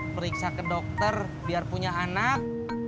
periksa ke dokter biar punya anak